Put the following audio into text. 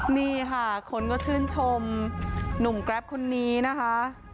นี่ค่ะคนก็ชื่นชมหนุ่มแกรปคนนี้นะคะ